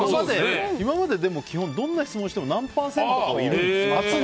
今まで、基本どんな質問しても何パーセントかはいるんですよ。